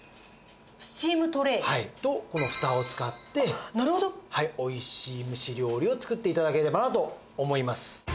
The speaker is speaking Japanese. スチームトレー？とこのフタを使っておいしい蒸し料理を作って頂ければなと思います。